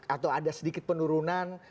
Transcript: atau ada sedikit penurunan